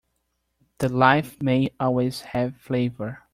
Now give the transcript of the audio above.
That life may always have flavor.